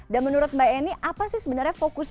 dan menurut mbak eni apa sih sebenarnya fokusnya